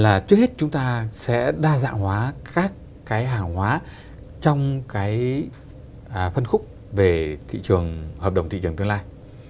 là trước hết chúng ta sẽ đa dạng hóa các cái hàng hóa trong cái phân khúc về thị trường hợp đồng thị trường tương lai